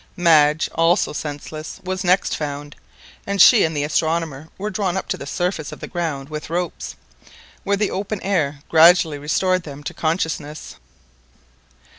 Madge, also senseless, was next found; and she and the astronomer were drawn up to the surface of the ground with ropes, where the open air gradually restored them to consciousness.